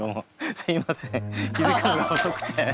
すいません気付くのが遅くて。